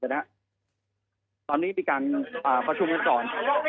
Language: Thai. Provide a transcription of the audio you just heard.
เดี๋ยวนะครับตอนนี้มีการอ่าความชุมกันก่อน